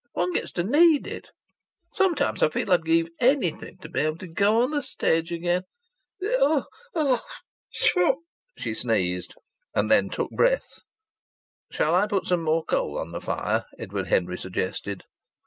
One gets to need it. Sometimes I feel I'd give anything to be able to go on the stage again Oh oh !" She sneezed; then took breath. "Shall I put some more coal on the fire?" Edward Henry suggested.